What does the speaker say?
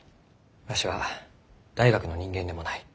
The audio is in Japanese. わしは大学の人間でもない。